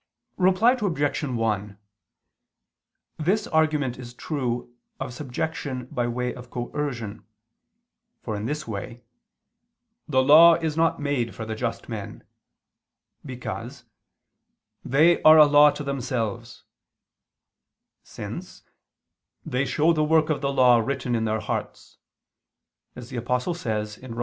Reply Obj. 1: This argument is true of subjection by way of coercion: for, in this way, "the law is not made for the just men": because "they are a law to themselves," since they "show the work of the law written in their hearts," as the Apostle says (Rom.